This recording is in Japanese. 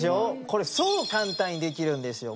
これ超簡単にできるんですよ。